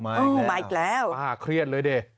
มาอีกแล้วอ่าเครียดเลยดิ